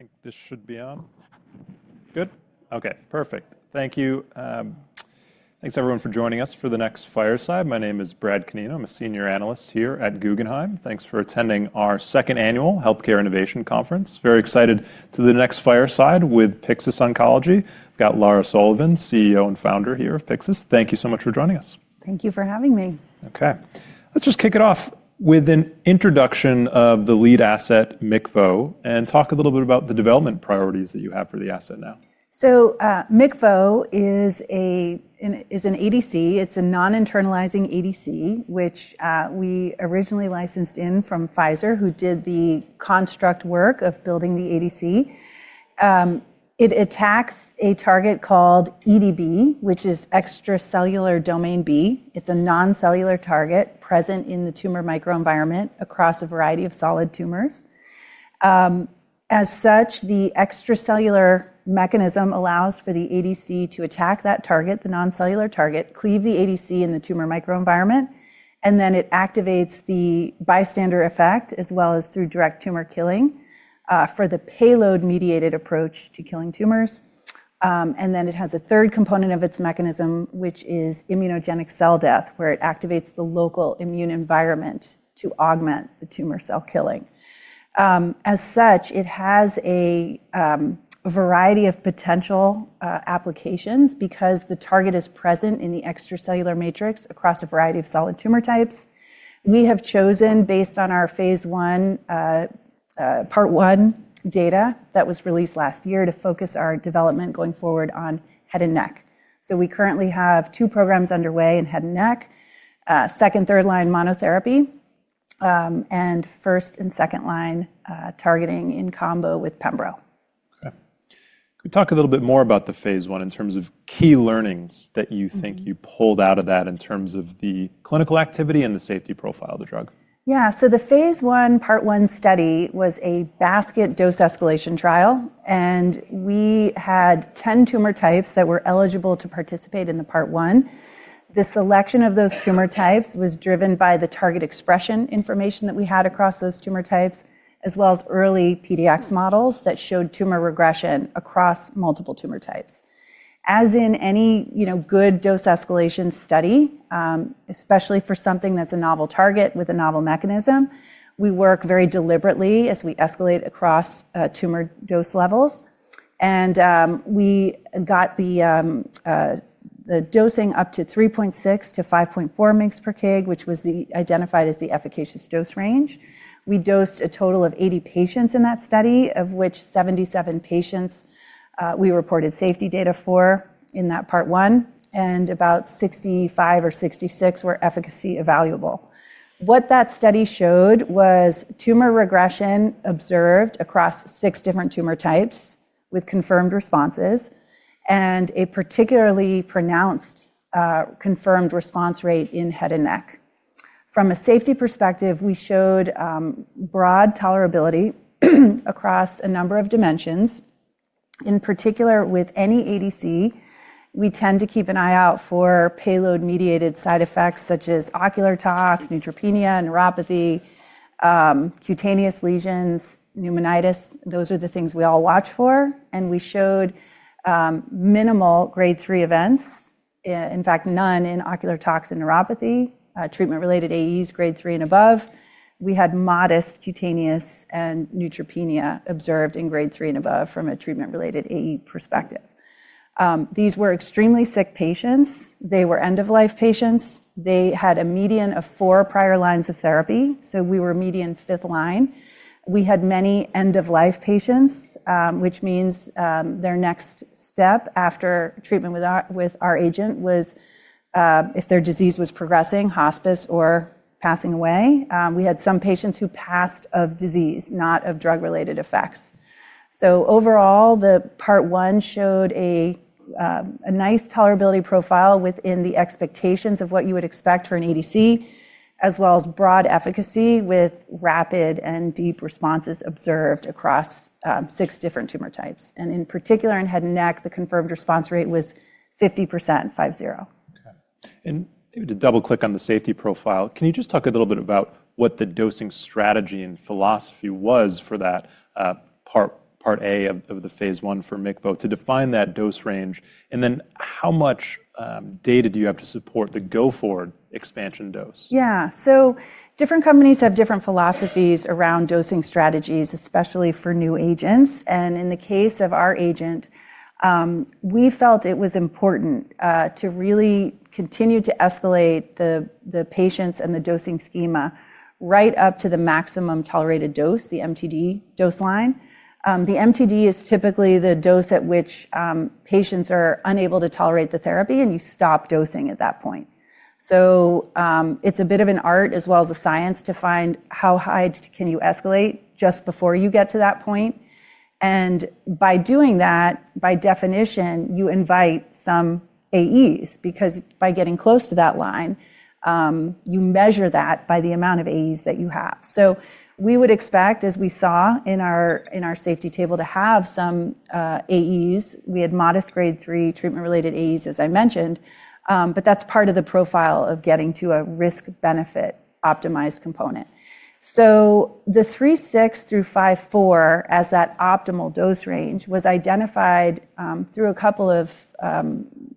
I think this should be on. Good? Okay, perfect. Thank you. Thanks, everyone, for joining us for the next Fireside. My name is Brad Canino. I'm a senior analyst here at Guggenheim. Thanks for attending our Second Annual Healthcare Innovation Conference. Very excited to the next Fireside with Pyxis Oncology. I've got Lara Sullivan, CEO and Founder here of Pyxis. Thank you so much for joining us. Thank you for having me. Okay. Let's just kick it off with an introduction of the lead asset, MICVO, and talk a little bit about the development priorities that you have for the asset now. MICVO is an ADC. It's a non-internalizing ADC, which we originally licensed in from Pfizer, who did the construct work of building the ADC. It attacks a target called EDB, which is extracellular domain B. It's a noncellular target present in the tumor microenvironment across a variety of solid tumors. As such, the extracellular mechanism allows for the ADC to attack that target, the noncellular target, cleave the ADC in the tumor microenvironment, and then it activates the bystander effect as well as through direct tumor killing for the payload-mediated approach to killing tumors. It has a third component of its mechanism, which is immunogenic cell death, where it activates the local immune environment to augment the tumor cell killing. As such, it has a variety of potential applications because the target is present in the extracellular matrix across a variety of solid tumor types. We have chosen, based on our phase I, part one data that was released last year, to focus our development going forward on head and neck. We currently have two programs underway in head and neck: second, third line monotherapy and first and second line targeting in combo with pembro. Okay. Could you talk a little bit more about the phase I in terms of key learnings that you think you pulled out of that in terms of the clinical activity and the safety profile of the drug? Yeah. The phase I-I study was a basket dose escalation trial, and we had 10 tumor types that were eligible to participate in the part one. The selection of those tumor types was driven by the target expression information that we had across those tumor types, as well as early PDX models that showed tumor regression across multiple tumor types. As in any good dose escalation study, especially for something that's a novel target with a novel mechanism, we work very deliberately as we escalate across tumor dose levels. We got the dosing up to 3.6-5.4 mg/kg, which was identified as the efficacious dose range. We dosed a total of 80 patients in that study, of which 77 patients we reported safety data for in that part one, and about 65 or 66 were efficacy evaluable. What that study showed was tumor regression observed across six different tumor types with confirmed responses and a particularly pronounced confirmed response rate in head and neck. From a safety perspective, we showed broad tolerability across a number of dimensions. In particular, with any ADC, we tend to keep an eye out for payload-mediated side effects such as ocular tox, neutropenia, neuropathy, cutaneous lesions, pneumonitis. Those are the things we all watch for. We showed minimal grade three events, in fact, none in ocular tox and neuropathy, treatment-related AEs grade three and above. We had modest cutaneous and neutropenia observed in grade three and above from a treatment-related AE perspective. These were extremely sick patients. They were end-of-life patients. They had a median of four prior lines of therapy, so we were median fifth line. We had many end-of-life patients, which means their next step after treatment with our agent was if their disease was progressing, hospice, or passing away. We had some patients who passed of disease, not of drug-related effects. Overall, the part one showed a nice tolerability profile within the expectations of what you would expect for an ADC, as well as broad efficacy with rapid and deep responses observed across six different tumor types. In particular, in head and neck, the confirmed response rate was 50%, five, zero. Okay. To double-click on the safety profile, can you just talk a little bit about what the dosing strategy and philosophy was for that part A of the phase I for MICVO to define that dose range? Then how much data do you have to support the go-forward expansion dose? Yeah. Different companies have different philosophies around dosing strategies, especially for new agents. In the case of our agent, we felt it was important to really continue to escalate the patients and the dosing schema right up to the maximum tolerated dose, the MTD dose line. The MTD is typically the dose at which patients are unable to tolerate the therapy, and you stop dosing at that point. It is a bit of an art as well as a science to find how high you can escalate just before you get to that point. By doing that, by definition, you invite some AEs because by getting close to that line, you measure that by the amount of AEs that you have. We would expect, as we saw in our safety table, to have some AEs. We had modest grade three treatment-related AEs, as I mentioned, but that's part of the profile of getting to a risk-benefit optimized component. The 3.6-5.4 as that optimal dose range was identified through a couple of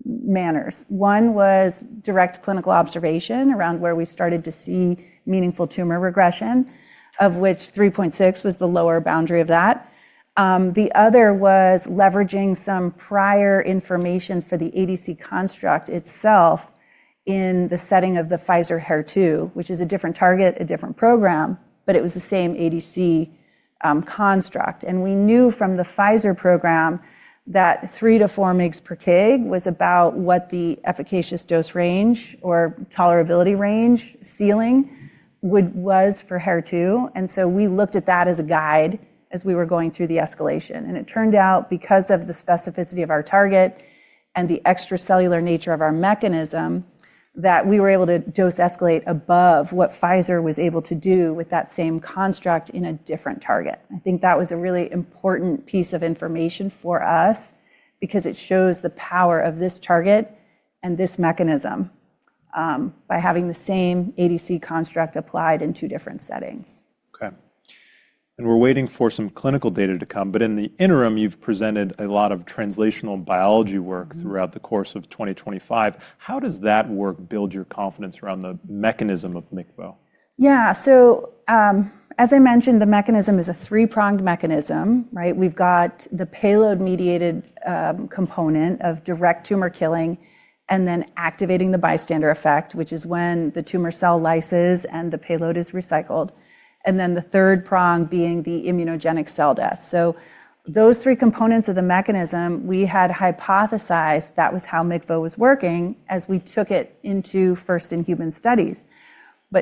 manners. One was direct clinical observation around where we started to see meaningful tumor regression, of which 3.6 was the lower boundary of that. The other was leveraging some prior information for the ADC construct itself in the setting of the Pfizer HER2, which is a different target, a different program, but it was the same ADC construct. We knew from the Pfizer program that 3-4 mg/kg was about what the efficacious dose range or tolerability range ceiling was for HER2. We looked at that as a guide as we were going through the escalation. It turned out because of the specificity of our target and the extracellular nature of our mechanism that we were able to dose escalate above what Pfizer was able to do with that same construct in a different target. I think that was a really important piece of information for us because it shows the power of this target and this mechanism by having the same ADC construct applied in two different settings. Okay. We are waiting for some clinical data to come, but in the interim, you've presented a lot of translational biology work throughout the course of 2025. How does that work build your confidence around the mechanism of MICVO? Yeah. As I mentioned, the mechanism is a three-pronged mechanism, right? We've got the payload-mediated component of direct tumor killing and then activating the bystander effect, which is when the tumor cell lyses and the payload is recycled, and then the third prong being the immunogenic cell death. Those three components of the mechanism, we had hypothesized that was how MICVO was working as we took it into first-in-human studies.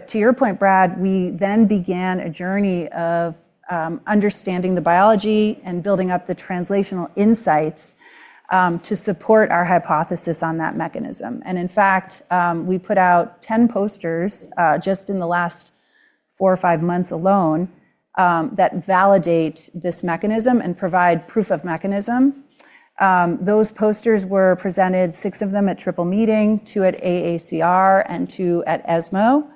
To your point, Brad, we then began a journey of understanding the biology and building up the translational insights to support our hypothesis on that mechanism. In fact, we put out 10 posters just in the last four or five months alone that validate this mechanism and provide proof of mechanism. Those posters were presented, six of them at triple meeting, two at AACR, and two at ESMO.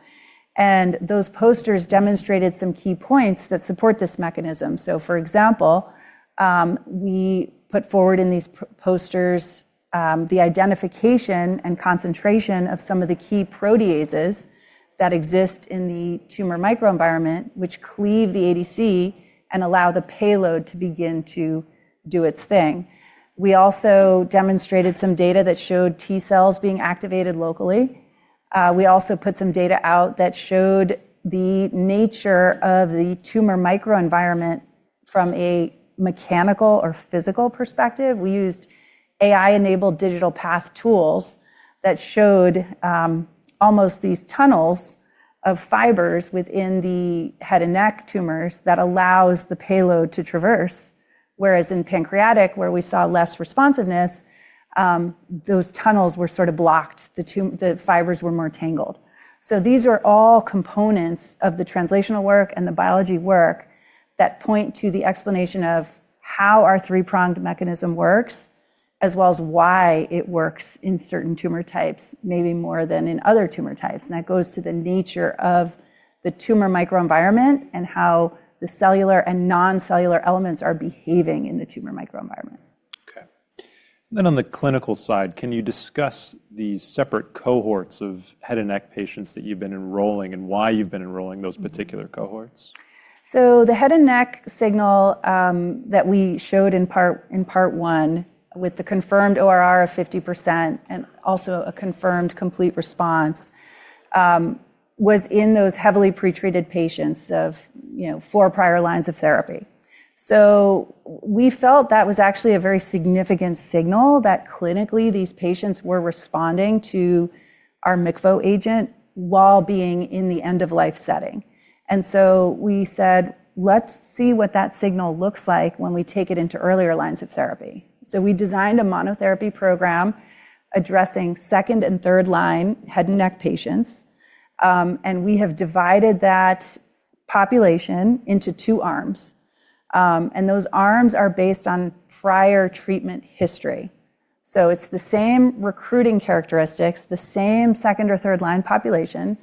Those posters demonstrated some key points that support this mechanism. For example, we put forward in these posters the identification and concentration of some of the key proteases that exist in the tumor microenvironment, which cleave the ADC and allow the payload to begin to do its thing. We also demonstrated some data that showed T cells being activated locally. We also put some data out that showed the nature of the tumor microenvironment from a mechanical or physical perspective. We used AI-enabled digital path tools that showed almost these tunnels of fibers within the head and neck tumors that allows the payload to traverse, whereas in pancreatic, where we saw less responsiveness, those tunnels were sort of blocked. The fibers were more tangled. These are all components of the translational work and the biology work that point to the explanation of how our three-pronged mechanism works, as well as why it works in certain tumor types, maybe more than in other tumor types. That goes to the nature of the tumor microenvironment and how the cellular and noncellular elements are behaving in the tumor microenvironment. Okay. On the clinical side, can you discuss the separate cohorts of head and neck patients that you've been enrolling and why you've been enrolling those particular cohorts? The head and neck signal that we showed in part one with the confirmed ORR of 50% and also a confirmed complete response was in those heavily pretreated patients of four prior lines of therapy. We felt that was actually a very significant signal that clinically these patients were responding to our MICVO agent while being in the end-of-life setting. We said, "Let's see what that signal looks like when we take it into earlier lines of therapy." We designed a monotherapy program addressing second and third line head and neck patients. We have divided that population into two arms. Those arms are based on prior treatment history. It's the same recruiting characteristics, the same second or third line population,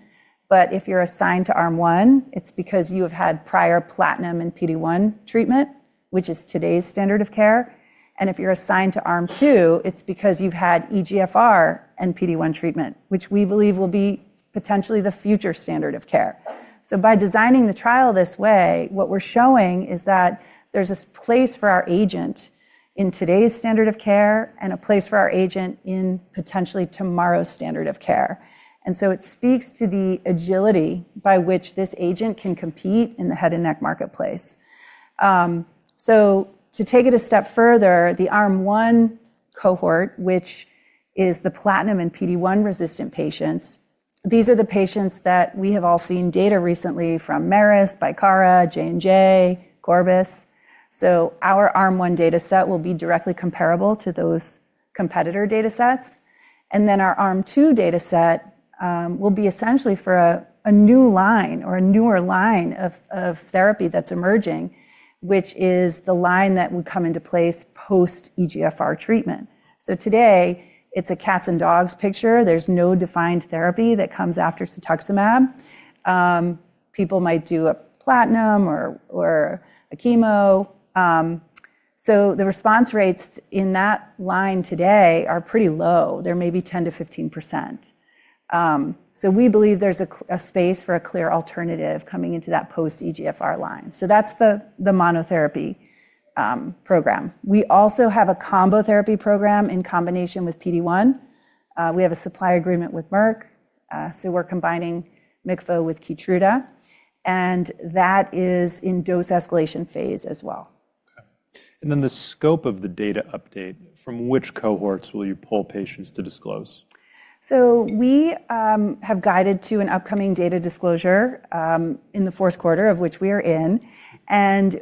but if you're assigned to arm one, it's because you have had prior platinum and PD-1 treatment, which is today's standard of care. If you're assigned to arm two, it's because you've had EGFR and PD-1 treatment, which we believe will be potentially the future standard of care. By designing the trial this way, what we're showing is that there's a place for our agent in today's standard of care and a place for our agent in potentially tomorrow's standard of care. It speaks to the agility by which this agent can compete in the head and neck marketplace. To take it a step further, the arm one cohort, which is the platinum and PD-1 resistant patients, these are the patients that we have all seen data recently from Merus, Bicara, J&J, Corbus. Our arm one data set will be directly comparable to those competitor data sets. Our arm two data set will be essentially for a new line or a newer line of therapy that is emerging, which is the line that would come into place post-EGFR treatment. Today, it is a cats and dogs picture. There is no defined therapy that comes after cetuximab. People might do a platinum or a chemo. The response rates in that line today are pretty low. They are maybe 10%-15%. We believe there is a space for a clear alternative coming into that post-EGFR line. That is the monotherapy program. We also have a combo therapy program in combination with PD-1. We have a supply agreement with Merck. We are combining MICVO with Keytruda, and that is in dose escalation phase as well. Okay. And the scope of the data update, from which cohorts will you pull patients to disclose? We have guided to an upcoming data disclosure in the fourth quarter of which we are in.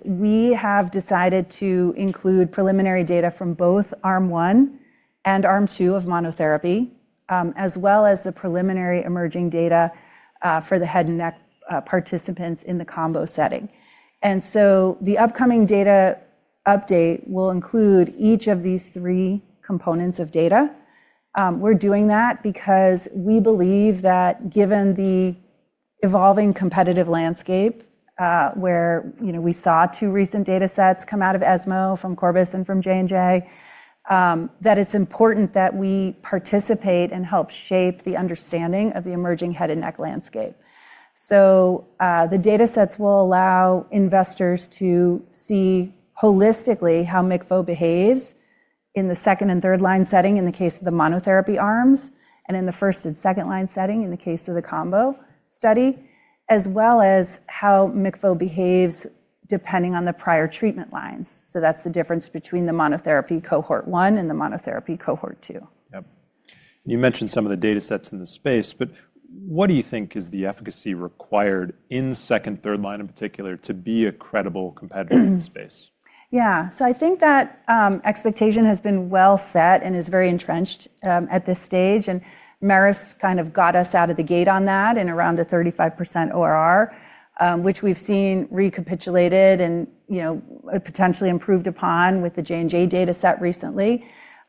We have decided to include preliminary data from both arm one and arm two of monotherapy, as well as the preliminary emerging data for the head and neck participants in the combo setting. The upcoming data update will include each of these three components of data. We are doing that because we believe that given the evolving competitive landscape where we saw two recent data sets come out of ESMO, from Corbus and from J&J, it is important that we participate and help shape the understanding of the emerging head and neck landscape. The data sets will allow investors to see holistically how MICVO behaves in the second and third line setting in the case of the monotherapy arms, and in the first and second line setting in the case of the combo study, as well as how MICVO behaves depending on the prior treatment lines. That is the difference between the monotherapy cohort one and the monotherapy cohort two. Yep. You mentioned some of the data sets in the space, but what do you think is the efficacy required in second, third line in particular to be a credible competitor in the space? Yeah. I think that expectation has been well set and is very entrenched at this stage. Merus kind of got us out of the gate on that in around a 35% ORR, which we've seen recapitulated and potentially improved upon with the J&J data set recently.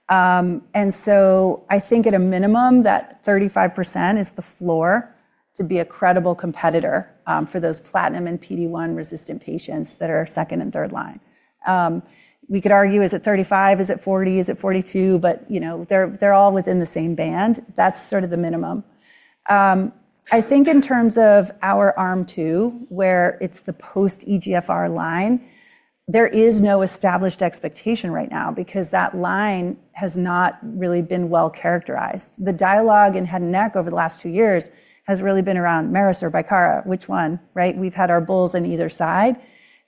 I think at a minimum that 35% is the floor to be a credible competitor for those platinum and PD-1 resistant patients that are second and third line. We could argue, is it 35? Is it 40? Is it 42? But they're all within the same band. That's sort of the minimum. I think in terms of our arm two, where it's the post-EGFR line, there is no established expectation right now because that line has not really been well characterized. The dialogue in head and neck over the last two years has really been around Merus or Bicara, which one, right? We've had our bulls on either side.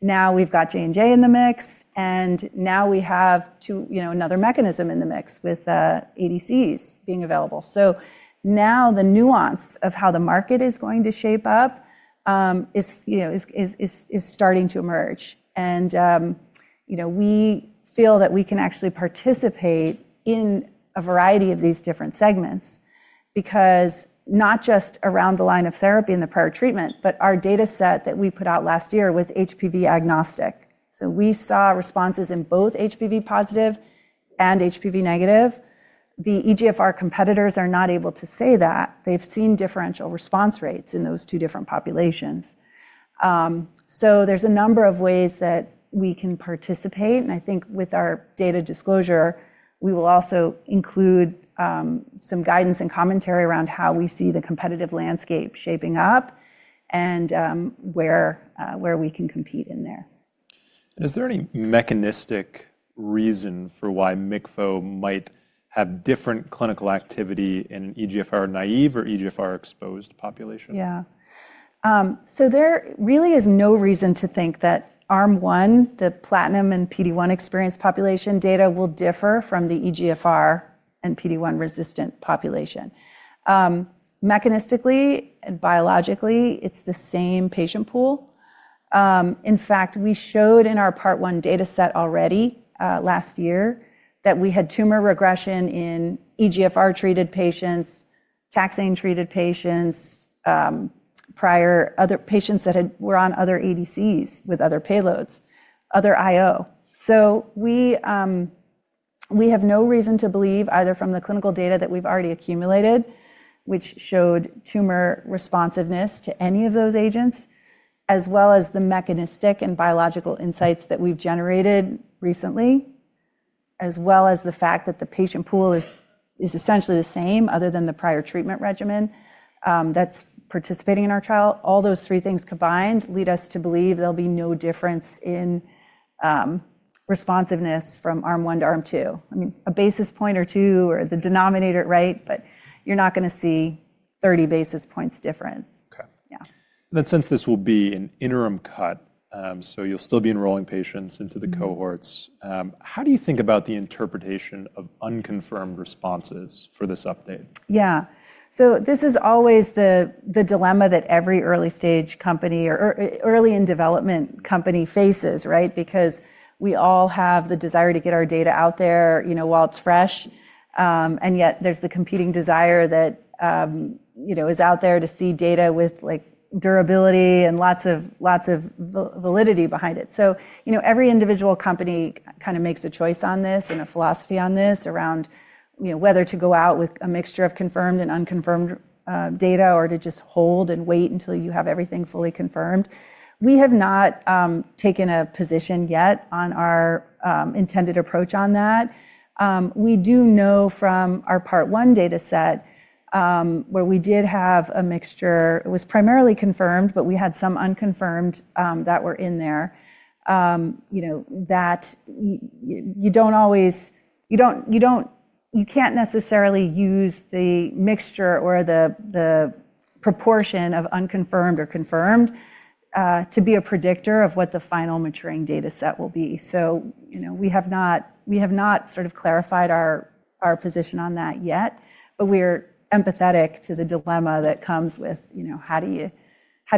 Now we've got J&J in the mix, and now we have another mechanism in the mix with ADCs being available. The nuance of how the market is going to shape up is starting to emerge. We feel that we can actually participate in a variety of these different segments because not just around the line of therapy and the prior treatment, but our data set that we put out last year was HPV agnostic. We saw responses in both HPV positive and HPV negative. The EGFR competitors are not able to say that. They've seen differential response rates in those two different populations. There's a number of ways that we can participate. I think with our data disclosure, we will also include some guidance and commentary around how we see the competitive landscape shaping up and where we can compete in there. Is there any mechanistic reason for why MICVO might have different clinical activity in an EGFR naive or EGFR exposed population? Yeah. There really is no reason to think that arm one, the platinum and PD-1 experienced population data will differ from the EGFR and PD-1 resistant population. Mechanistically and biologically, it's the same patient pool. In fact, we showed in our part one data set already last year that we had tumor regression in EGFR treated patients, taxane treated patients, prior other patients that were on other ADCs with other payloads, other IO. We have no reason to believe either from the clinical data that we've already accumulated, which showed tumor responsiveness to any of those agents, as well as the mechanistic and biological insights that we've generated recently, as well as the fact that the patient pool is essentially the same other than the prior treatment regimen that's participating in our trial. All those three things combined lead us to believe there'll be no difference in responsiveness from arm one to arm two. I mean, a basis point or two or the denominator, right? But you're not going to see 30 basis points difference. Okay. Since this will be an interim cut, so you'll still be enrolling patients into the cohorts, how do you think about the interpretation of unconfirmed responses for this update? Yeah. This is always the dilemma that every early stage company or early in development company faces, right? Because we all have the desire to get our data out there while it's fresh, and yet there's the competing desire that is out there to see data with durability and lots of validity behind it. Every individual company kind of makes a choice on this and a philosophy on this around whether to go out with a mixture of confirmed and unconfirmed data or to just hold and wait until you have everything fully confirmed. We have not taken a position yet on our intended approach on that. We do know from our part one data set where we did have a mixture. It was primarily confirmed, but we had some unconfirmed that were in there that you do not always, you cannot necessarily use the mixture or the proportion of unconfirmed or confirmed to be a predictor of what the final maturing data set will be. We have not sort of clarified our position on that yet, but we are empathetic to the dilemma that comes with how do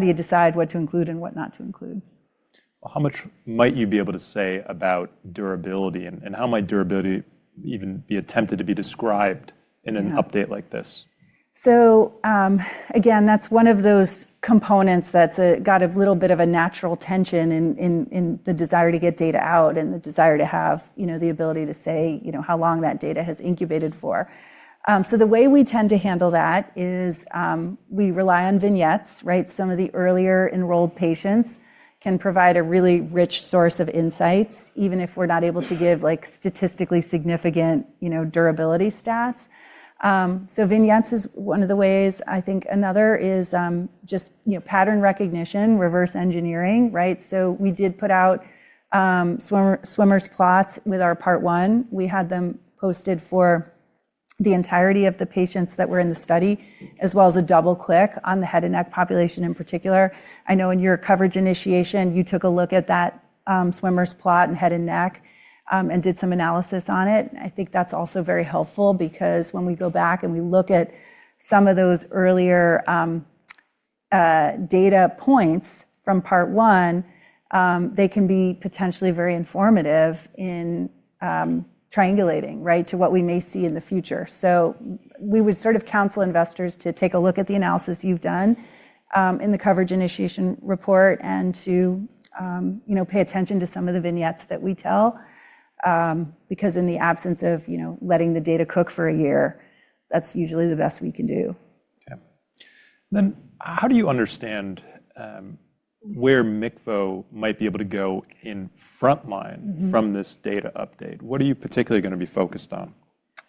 you decide what to include and what not to include? How much might you be able to say about durability, and how might durability even be attempted to be described in an update like this? Again, that's one of those components that's got a little bit of a natural tension in the desire to get data out and the desire to have the ability to say how long that data has incubated for. The way we tend to handle that is we rely on vignettes, right? Some of the earlier enrolled patients can provide a really rich source of insights, even if we're not able to give statistically significant durability stats. Vignettes is one of the ways. I think another is just pattern recognition, reverse engineering, right? We did put out swimmer's plots with our part one. We had them posted for the entirety of the patients that were in the study, as well as a double click on the head and neck population in particular. I know in your coverage initiation, you took a look at that swimmer's plot in head and neck and did some analysis on it. I think that's also very helpful because when we go back and we look at some of those earlier data points from part one, they can be potentially very informative in triangulating, right, to what we may see in the future. We would sort of counsel investors to take a look at the analysis you've done in the coverage initiation report and to pay attention to some of the vignettes that we tell because in the absence of letting the data cook for a year, that's usually the best we can do. Okay. How do you understand where MICVO might be able to go in front line from this data update? What are you particularly going to be focused on?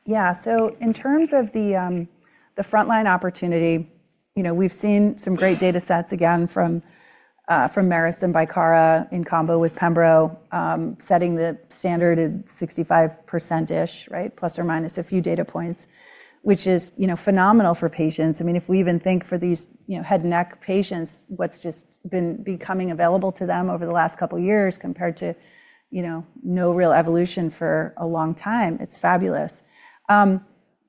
Yeah. In terms of the front line opportunity, we've seen some great data sets again from Merus and Bicara in combo with Pembro, setting the standard at 65%-ish, right, plus or minus a few data points, which is phenomenal for patients. I mean, if we even think for these head and neck patients, what's just been becoming available to them over the last couple of years compared to no real evolution for a long time. It's fabulous.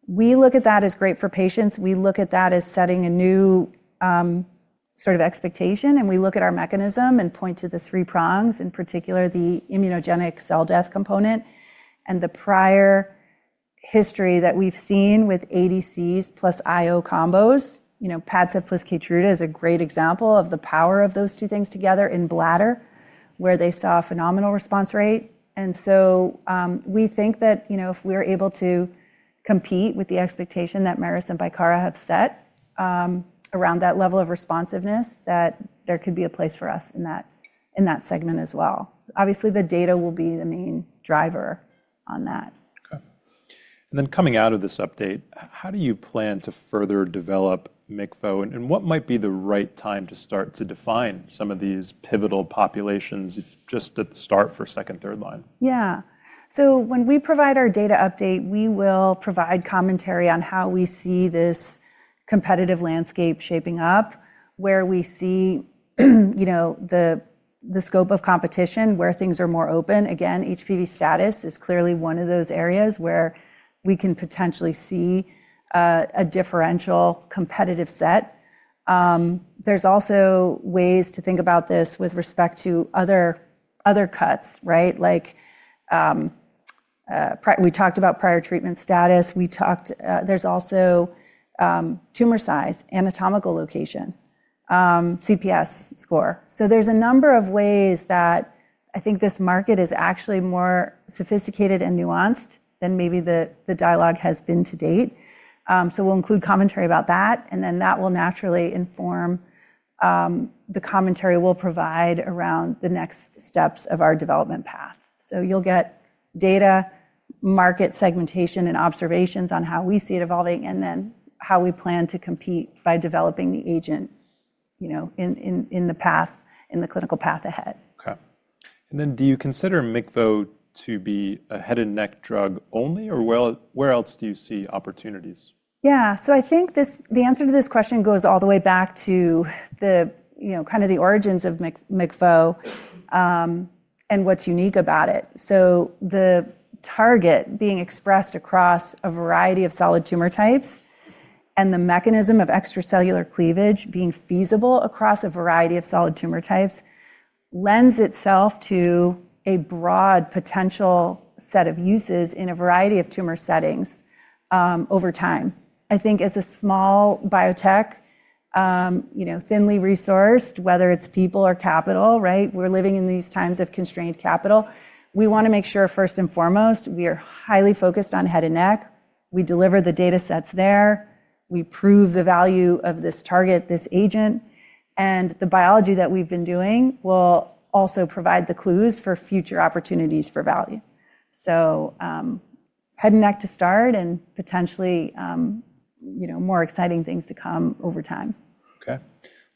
We look at that as great for patients. We look at that as setting a new sort of expectation, and we look at our mechanism and point to the three prongs, in particular the immunogenic cell death component and the prior history that we've seen with ADCs plus IO combos. Padcev plus Keytruda is a great example of the power of those two things together in bladder, where they saw a phenomenal response rate. We think that if we're able to compete with the expectation that Merus and Bicara have set around that level of responsiveness, there could be a place for us in that segment as well. Obviously, the data will be the main driver on that. Okay. Coming out of this update, how do you plan to further develop MICVO, and what might be the right time to start to define some of these pivotal populations just at the start for second, third line? Yeah. When we provide our data update, we will provide commentary on how we see this competitive landscape shaping up, where we see the scope of competition, where things are more open. Again, HPV status is clearly one of those areas where we can potentially see a differential competitive set. There are also ways to think about this with respect to other cuts, right? We talked about prior treatment status. There is also tumor size, anatomical location, CPS score. There are a number of ways that I think this market is actually more sophisticated and nuanced than maybe the dialogue has been to date. We will include commentary about that, and that will naturally inform the commentary we will provide around the next steps of our development path. You'll get data, market segmentation, and observations on how we see it evolving, and then how we plan to compete by developing the agent in the clinical path ahead. Okay. Do you consider MICVO to be a head and neck drug only, or where else do you see opportunities? Yeah. I think the answer to this question goes all the way back to kind of the origins of MICVO and what's unique about it. The target being expressed across a variety of solid tumor types and the mechanism of extracellular cleavage being feasible across a variety of solid tumor types lends itself to a broad potential set of uses in a variety of tumor settings over time. I think as a small biotech, thinly resourced, whether it's people or capital, right? We're living in these times of constrained capital. We want to make sure first and foremost, we are highly focused on head and neck. We deliver the data sets there. We prove the value of this target, this agent, and the biology that we've been doing will also provide the clues for future opportunities for value. Head and neck to start and potentially more exciting things to come over time. Okay.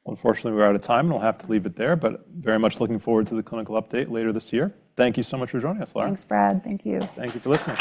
Unfortunately, we're out of time, and we'll have to leave it there, but very much looking forward to the clinical update later this year. Thank you so much for joining us, Lara. Thanks, Brad. Thank you. Thank you for listening.